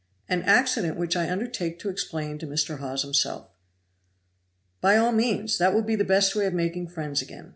"An accident which I undertake to explain to Mr. Hawes himself." "By all means; that will be the best way of making friends again.